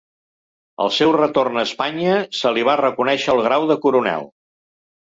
Al seu retorn a Espanya se li va reconèixer el grau de coronel.